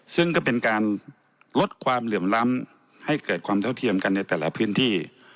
ซึ่งก็เป็นการลดความเหลื่อมล้ำให้เกิดความเท่าเทียมกันในแต่ละพื้นที่